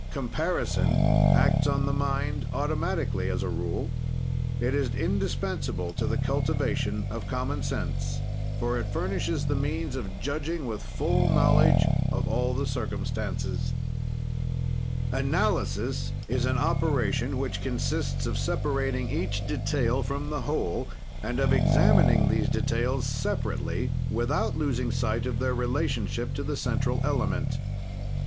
"Comparison acts on the mind automatically, as a rule. "It is indispensable to the cultivation of common sense, for it furnishes the means of judging with full knowledge of all the circumstances. "Analysis is an operation, which consists of separating each detail from the whole and of examining these details separately, without losing sight of their relationship to the central element.